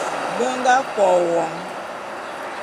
Be nga KO won.